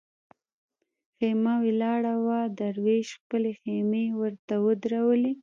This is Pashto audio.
خېمه ولاړه وه دروېش خپلې خېمې ورته ودرولې.